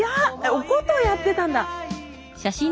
お琴をやってたんだ。